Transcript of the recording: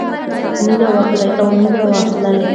مینه ورکړئ او مینه واخلئ.